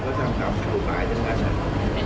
มันก็ตามกฎหมายแล้วบ้าง